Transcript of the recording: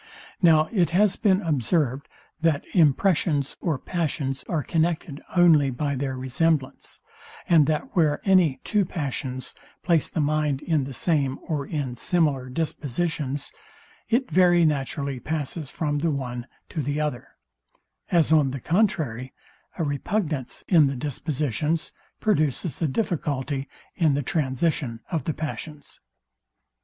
Now it has been observed, that impressions or passions are connected only by their resemblance, and that where any two passions place the mind in the same or in similar dispositions, it very naturally passes from the one to the other: As on the contrary, a repugnance in the dispositions produces a difficulty in the transition of the passions.